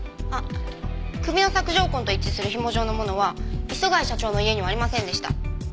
あっ首の索条痕と一致する紐状のものは磯貝社長の家にはありませんでした。